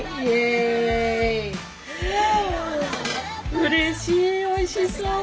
うれしいおいしそう！